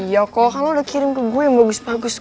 iya kalau kan lu udah kirim ke gue yang bagus bagus